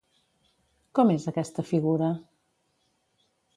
Com és aquesta figura?